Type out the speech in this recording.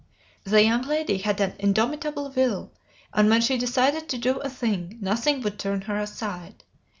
The young lady had an indomitable will, and when she decided to do a thing nothing would turn her aside.